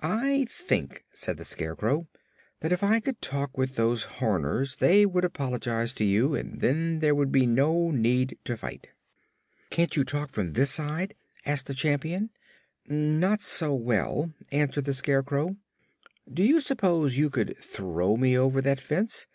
"I think," said the Scarecrow, "that if I could talk with those Horners they would apologize to you, and then there would be no need to fight." "Can't you talk from this side?" asked the Champion. "Not so well," replied the Scarecrow. "Do you suppose you could throw me over that fence?